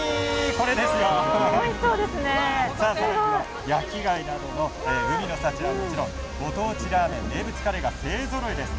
それから、焼き貝などの海の幸はもちろんご当地ラーメン名物カレーが勢ぞろいです。